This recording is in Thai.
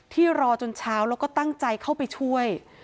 รอจนเช้าแล้วก็ตั้งใจเข้าไปช่วย